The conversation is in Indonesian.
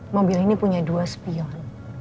mobil ini punya dua spion